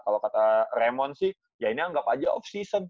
kalau kata ramon sih ya ini anggap aja of season